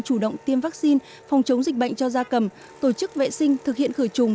chủ động tiêm vaccine phòng chống dịch bệnh cho da cầm tổ chức vệ sinh thực hiện khởi trùng